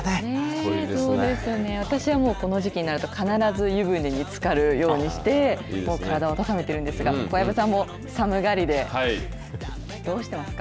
そうですね、私はもう、この時期になると、必ず湯船につかるようにして、もう体を温めてるんですが、小籔さんも寒がりで、どうしてますか。